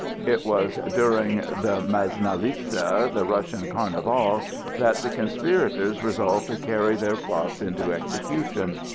It was during the Masnaliza, the Russian Carnival, that the conspirators resolved to carry their plot into execution.